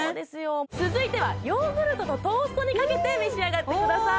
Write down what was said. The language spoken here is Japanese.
続いてはヨーグルトとトーストにかけて召し上がってください